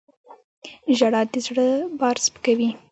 • ژړا د زړه بار سپکوي.